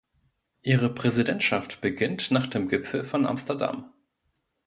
Ihre Präsidentschaft beginnt nach dem Gipfel von Amsterdam.